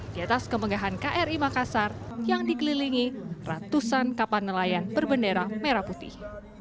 di atas kemegahan kri makassar yang dikelilingi ratusan kapal nelayan berbendera merah putih